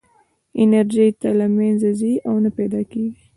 انرژي نه له منځه ځي او نه پیدا کېږي.